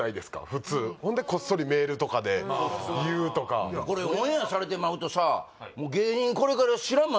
普通ほんでこっそりメールとかで言うとかこれオンエアされてまうとさ芸人